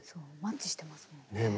そうマッチしてますもんね。